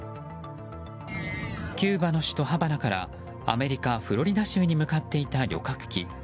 キューバの首都ハバナからアメリカ・フロリダ州に向かっていた旅客機。